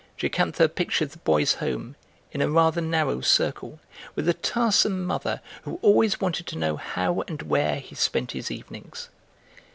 Jocantha pictured the boy's home, in a rather narrow circle, with a tiresome mother who always wanted to know how and where he spent his evenings.